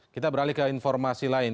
kita beralih ke informasi lain